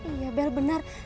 iya bel benar